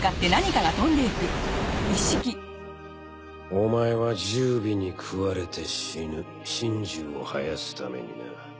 お前は十尾に食われて死ぬ神樹を生やすためにな。